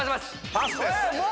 パスです。